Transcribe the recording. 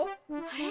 あれ？